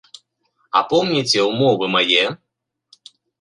А помніце ўмовы мае?